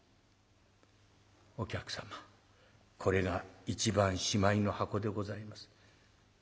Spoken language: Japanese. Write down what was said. お客様これが一番しまいの箱でございます」。